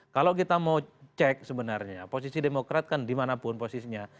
kalau kita mau cek sebenarnya posisi demokrat kan dimanapun posisinya